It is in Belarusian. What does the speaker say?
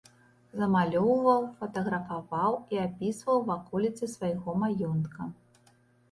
Замалёўваў, фатаграфаваў і апісваў ваколіцы свайго маёнтка.